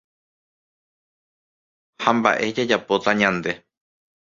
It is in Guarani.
Ha mba'e jajapóta ñande.